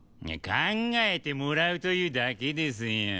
いや考えてもらうというだけですよ。